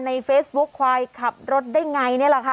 ในเฟซบุ๊คควายขับรถได้ไงนี่แหละค่ะ